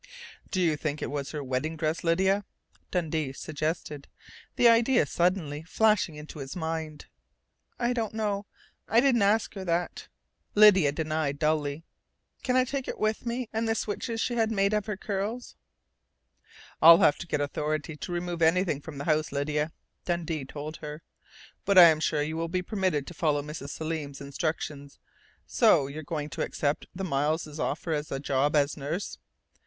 "Do you think it was her wedding dress, Lydia?" Dundee suggested, the idea suddenly flashing into his mind. "I don't know. I didn't ask her that," Lydia denied dully. "Can I take it with me and the switches she had made out of her curls?" "I'll have to get authority to remove anything from the house, Lydia," Dundee told her. "But I am sure you will be permitted to follow Mrs. Selim's instructions.... So you're going to accept the Miles' offer of a job as nurse?"